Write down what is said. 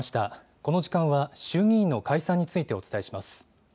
この時間は衆議院の解散についてお伝えします。